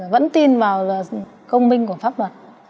vẫn tin vào công minh của pháp luật